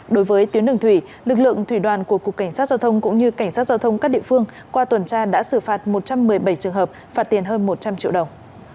đối với tuyến đường thủy lực lượng thủy đoàn của cục cảnh sát giao thông cũng như cảnh sát giao thông các địa phương qua tuần tra đã xử phạt một trăm một mươi bảy trường hợp phạt tiền hơn một trăm linh triệu đồng